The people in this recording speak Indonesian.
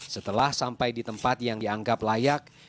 setelah sampai di tempat yang dianggap layak